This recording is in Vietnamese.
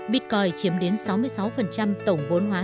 bitcoin chiếm đến sáu mươi sáu tổng vốn hóa